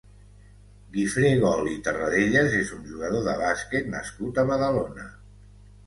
Guifré Gol i Terradellas és un jugador de bàsquet nascut a Badalona.